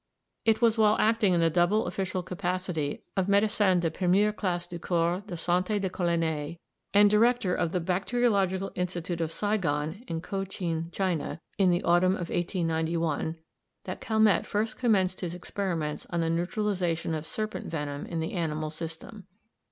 It was while acting in the double official capacity of Médecin de 1st Classe du Corps de Santé des Colonies and Director of the Bacteriological Institute of Saïgon, in Cochin China, in the autumn of 1891, that Calmette first commenced his experiments on the neutralisation of serpent venom in the animal system.